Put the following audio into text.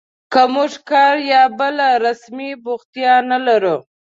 که موږ کار یا بله رسمي بوختیا نه لرو